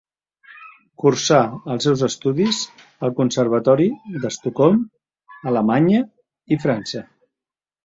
Cursà els seus estudis al Conservatori d'Estocolm, a Alemanya i França.